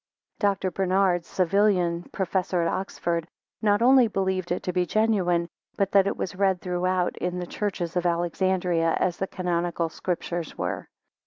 Dr. Bernard, Savilian professor at Oxford, not only believed it to be genuine, but that it was read throughout in the churches of Alexandria, as the canonical Scriptures were.